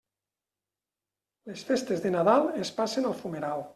Les festes de Nadal es passen al fumeral.